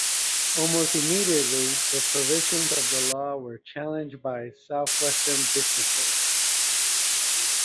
Almost immediately, the provisions of the law were challenged by Southwestern businesses.